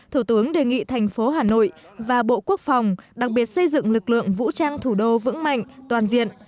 thủ tướng đề nghị thành phố hà nội và bộ quốc phòng đặc biệt xây dựng lực lượng vũ trang thủ đô vững mạnh toàn diện